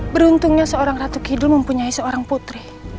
beruntungnya seorang ratu kidul mempunyai seorang putri